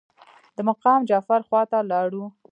د مقام جعفر خواته لاړو.